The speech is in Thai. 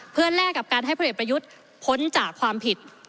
เพื่อแลกกับการให้พลเอกประยุทธ์พ้นจากความผิด